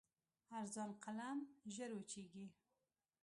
ارزان قلم ژر وچېږي.